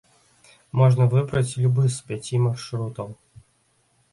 Можна выбраць любы з пяці маршрутаў.